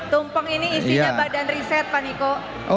tumpeng ini isinya badan riset pak niko